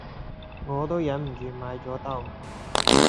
我都忍唔住買咗兜